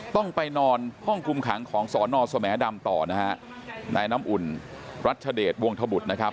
ต้องไปนอนห้องคุมขังของสอนอสแหมดำต่อนะฮะนายน้ำอุ่นรัชเดชวงธบุตรนะครับ